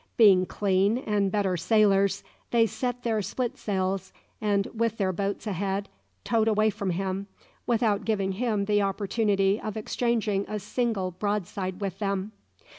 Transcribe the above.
Being clean and better sailers, they set their split sails, and with their boats ahead, towed away from him, without giving him the opportunity of exchanging a single broadside with them.